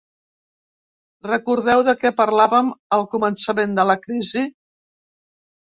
Recordeu de què parlàvem al començament de la crisi?